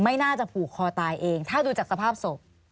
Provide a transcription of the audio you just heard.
ไม่น่าจะผูกคอตายเองถ้าดูจากสภาพศพ